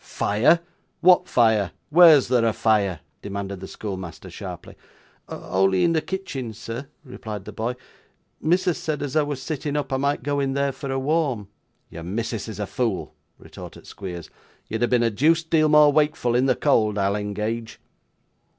'Fire! what fire? Where's there a fire?' demanded the schoolmaster, sharply. 'Only in the kitchen, sir,' replied the boy. 'Missus said as I was sitting up, I might go in there for a warm.' 'Your missus is a fool,' retorted Squeers. 'You'd have been a deuced deal more wakeful in the cold, I'll engage.